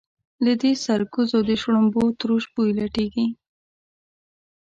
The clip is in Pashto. له دې سرکوزو د شړومبو تروش بوی لټېږي.